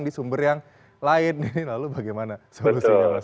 di sumber yang lain nih lalu bagaimana solusinya mas